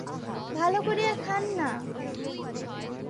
ভালো করিয়া খান না।